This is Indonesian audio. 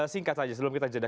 singkat saja sebelum kita jeda